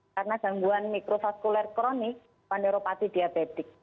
karena gangguan mikrofaskuler kronik pada neuropati diabetik